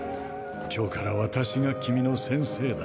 今日から私が君の先生だ。